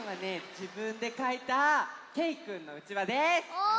じぶんでかいたけいくんのうちわです！